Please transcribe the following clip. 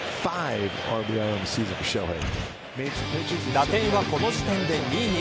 打点はこの時点で２位に。